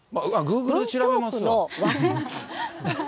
グーグルで調べます。